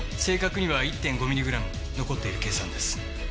正確には１．５ミリグラム残っている計算です。